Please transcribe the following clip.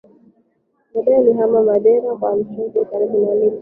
Baadaye alihama Madeira kwa Alcochete karibu na Lisbon